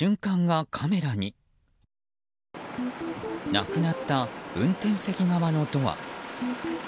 なくなった運転席側のドア。